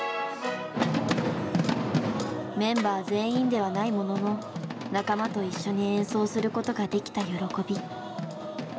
メンバー全員ではないものの仲間と一緒に演奏することができた喜び。